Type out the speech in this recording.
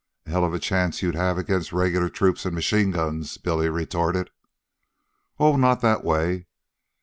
"A hell of a chance you'd have against regular troops and machine guns," Billy retorted. "Oh, not that way.